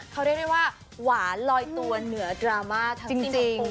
เขาเรียกได้ว่าหวานลอยตัวเหนือดราม่าทั้งจริง